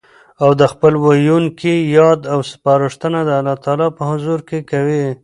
او د خپل ويلوونکي ياد او سپارښتنه د الله تعالی په حضور کي کوي